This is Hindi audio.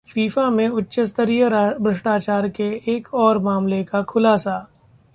फीफा में उच्चस्तरीय भ्रष्टाचार के एक और मामले का खुलासा